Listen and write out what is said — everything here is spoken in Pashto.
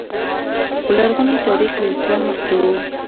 خو لرغونی تاریخ له اسلام مخکې و